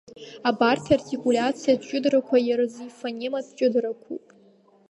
Абарҭ артикулиациатә ҷыдарақәа иаразы ифонематә ҷыдарақәоуп.